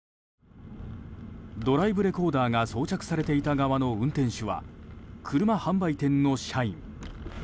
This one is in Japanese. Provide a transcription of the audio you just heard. ドライブレコーダーが装着されていた側の運転手は車販売店の社員。